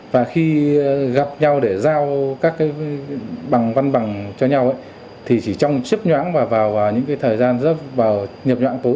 và khi gặp nhau để giao các bằng văn bằng cho nhau thì chỉ trong chấp nhuãn và vào những thời gian nhập nhuãn tối